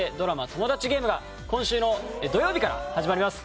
『トモダチゲーム』が今週の土曜日から始まります。